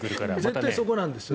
絶対にそこなんですよね。